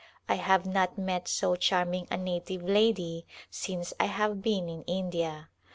I have not met so charming a native lady since I have been in India.